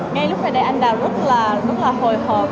ngay lúc này anh đà rất là hồi hộp